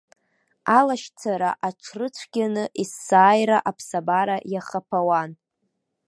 Алашьцара аҽрыцәгьаны есааира аԥсабара иахаԥауан.